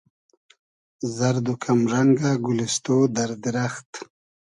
زئرد و کئم رئنگۂ گولیستۉ , دئر دیرئخت